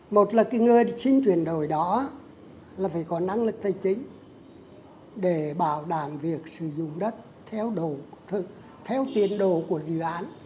một là người xin chuyển đổi đó là phải có năng lực tài chính để bảo đảm việc sử dụng đất theo tiền đồ của dự án